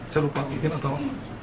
saya lupa mungkin atau